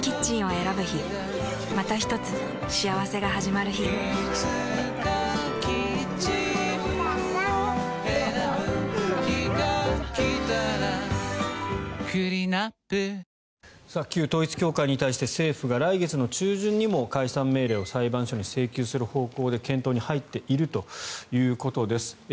選ぶ日がきたらクリナップ旧統一教会に対して政府が来月中旬にも解散命令を裁判に請求する方向で検討に入っているということです。